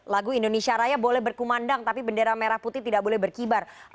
lagu indonesia raya boleh berkumandang tapi bendera merah putih tidak boleh berkibar